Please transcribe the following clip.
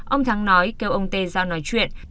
ông thắng nói kêu ông t ra nói chuyện